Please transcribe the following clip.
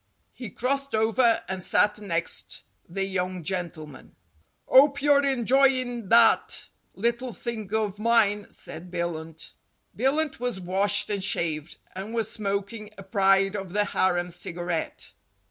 He crossed over and sat next the young gentleman. " 'Ope you're enjoyin' that little thing of mine," said Billunt Billunt was washed and shaved, and was smoking a "Pride of the Harem" cigarette.